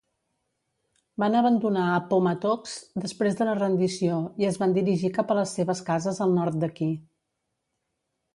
Van abandonar Appomattox després de la rendició i es van dirigir cap a les seves cases al nord d'aquí.